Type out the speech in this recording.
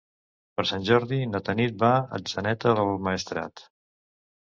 Per Sant Jordi na Tanit va a Atzeneta del Maestrat.